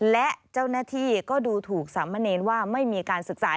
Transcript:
และเจ้าหน้าที่ก็ดูถูกสามเณรว่าไม่มีการศึกษา